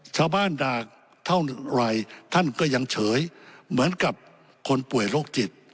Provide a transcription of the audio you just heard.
ชาวบ้านด่าเท่าไหร่ท่านก็ยังเฉยเหมือนกับคนป่วยโรคจิต